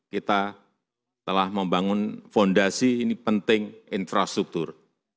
kita telah membangun fondasi ini penting infrastruktur